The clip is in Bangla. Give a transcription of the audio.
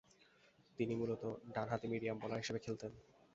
তিনি মূলতঃ ডানহাতি মিডিয়াম বোলার হিসেবে খেলতেন।